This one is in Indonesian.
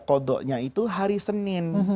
kodoknya itu hari senin